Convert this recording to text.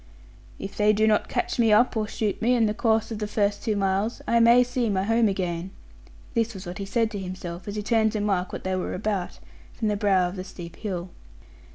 'If they do not catch me up, or shoot me, in the course of the first two miles, I may see my home again'; this was what he said to himself as he turned to mark what they were about, from the brow of the steep hill.